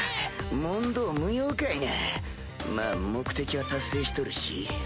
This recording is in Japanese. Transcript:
問答無用かいなまぁ目的は達成しとるし。